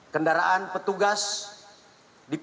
kendaraan petugas di ppt